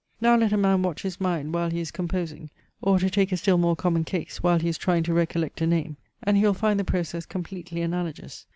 Now let a man watch his mind while he is composing; or, to take a still more common case, while he is trying to recollect a name; and he will find the process completely analogous.